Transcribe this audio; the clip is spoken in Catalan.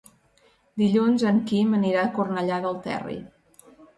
Dilluns en Quim anirà a Cornellà del Terri.